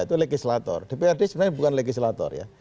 itu legislator dprd sebenarnya bukan legislator ya